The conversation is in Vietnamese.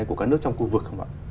của các nước trong khu vực không ạ